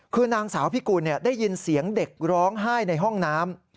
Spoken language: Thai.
คือนางสาวพิกุลได้ยินเสียงเด็กร้องไห้ในห้องน้ำ